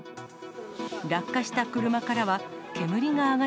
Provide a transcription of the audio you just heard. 落下した車からは、煙が上が